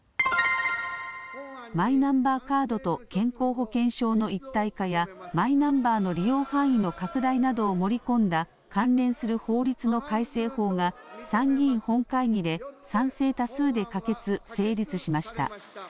マイナンバーカードと健康保険証の一体化やマイナンバーの利用範囲の拡大などを盛り込んだ関連する法律の改正法が参議院本会議で賛成多数で可決・成立しました。